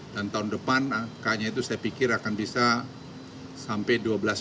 dan tahun depan kayaknya itu saya pikir akan bisa sampai dua belas tahun